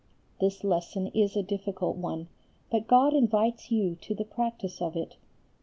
This lesson is a difficult one, but God invites you to the practice of it.